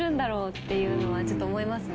っていうのはちょっと思います。